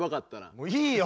もういいよ